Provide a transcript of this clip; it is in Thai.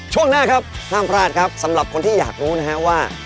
ช่วงหน้าครับห้ามพลาดครับสำหรับคนที่อยากรู้นะฮะว่า